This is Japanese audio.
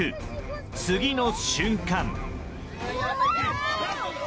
次の瞬間。